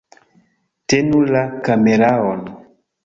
Tenu la kameraon